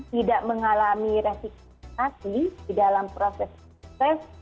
tidak mengalami resikopasi di dalam proses sukses